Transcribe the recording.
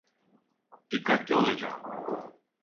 Dikkatli olacağım.